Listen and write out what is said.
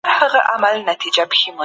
د چایو سره لږ بوره کاروئ.